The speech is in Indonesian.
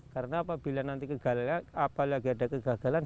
karena apabila nanti kegagalan apalagi ada kegagalan